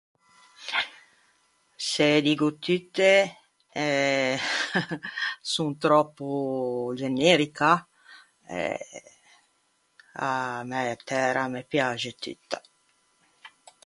Se ê diggo tutte, eh, son tròppo generica? Eh... A mæ tæra a me piaxe tutta.